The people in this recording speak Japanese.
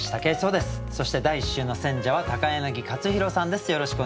そして第１週の選者は柳克弘さんです。